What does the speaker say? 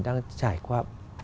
đang trải qua